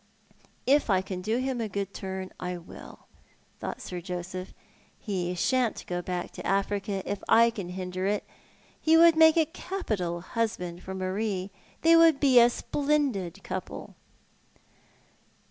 " If I can do him a good turn I will," thought Sir Joseph. " He shan't go hack to Africa if I can hinder it. He would make a capit<al husband for Marie. They would be a splendid couple."